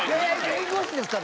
「弁護士ですか？」。